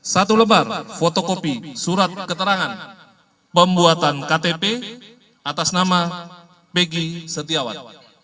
satu lembar fotokopi surat keterangan pembuatan ktp atas nama pegi siawat